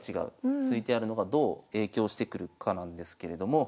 突いてあるのがどう影響してくるかなんですけれども。